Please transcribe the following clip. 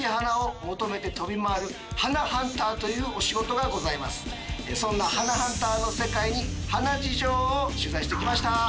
さあ続きましてそんな花ハンターの世界に花事情を取材してきました。